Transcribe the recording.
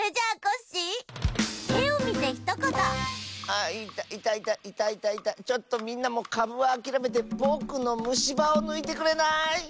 「あいたいたいたいたちょっとみんなもかぶはあきらめてぼくのむしばをぬいてくれない？」。